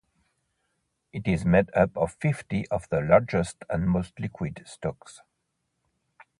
It is made up of fifty of the largest and most liquid stocks.